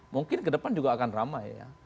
mungkin kedepan juga akan ramai ya